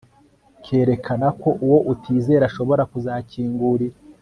kerekana ko uwo utizera ashobora kuzakingurira